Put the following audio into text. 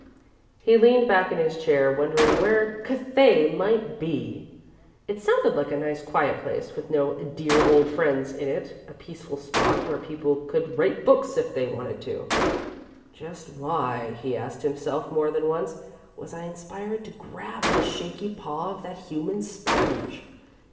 He leaned back in his chair, wondering where "Cathay" might be. It sounded like a nice, quiet place, with no "dear old friends" in it a peaceful spot where people could write books if they wanted to. "Just why," he asked himself more than once, "was I inspired to grab the shaky paw of that human sponge?